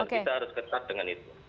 dan kita harus ketat dengan itu